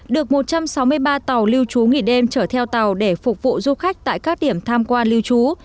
được một trăm sáu mươi ba tàu lưu trú nghỉ đêm chở theo tàu để phục vụ du khách tại các điểm tham quan lưu trú